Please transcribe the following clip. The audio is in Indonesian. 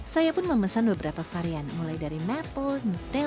saya pun memesan beberapa varian mulai dari maple nutella peanut butter dan kaya